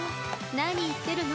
何言ってるの？